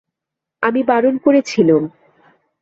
আমি বারণ করেছিলুম।